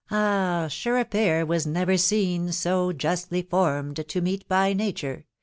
" Ah ! sure a pair wag never seen. So justly; formed to meet by nature !